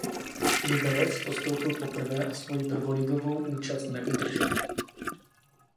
Liberec postoupil poprvé a svoji prvoligovou účast neudržel.